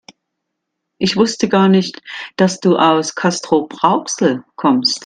Ich wusste gar nicht, dass du aus Castrop-Rauxel kommst